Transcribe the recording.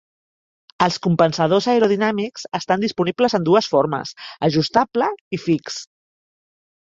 Els compensadors aerodinàmics estan disponibles en dues formes, ajustable i fix.